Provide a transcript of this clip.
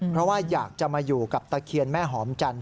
เพราะว่าอยากจะมาอยู่กับตะเคียนแม่หอมจันท